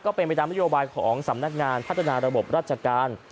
เป็นไปตามนโยบายของสำนักงานพัฒนาระบบราชการ